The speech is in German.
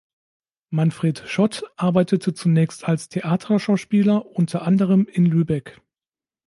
Manfred Schott arbeitete zunächst als Theaterschauspieler unter anderem in Lübeck.